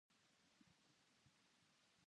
この文章は面白いです。